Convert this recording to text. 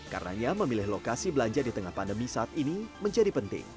karenanya memilih lokasi belanja di tengah pandemi saat ini menjadi penting